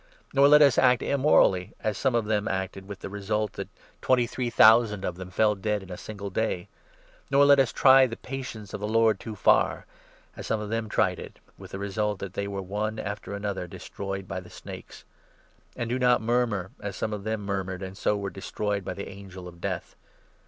Nor let us act immorally, as some of them acted, with the result 8 that twenty three thousand of them fell dead in a single day. Nor let us try the patience of the Lord too far, as some of them 9 tried it, with the result that they ' were, one after another, des troyed by the snakes.' And do not murmur, as some of them 10 murmured, and so 'were destroyed by the Angel of Death.'